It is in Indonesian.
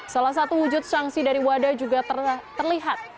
salah satu wujud sanksi dari wada juga terlihat